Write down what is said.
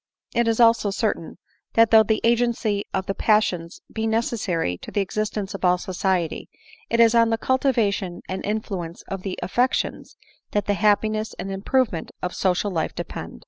It is also certain, that though the agency of the passions be necessary to the existence of all society, it is on the cultivation and influ ence of the affections that the happiness and improve ment of social life depend.